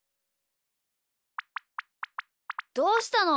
どうしたの？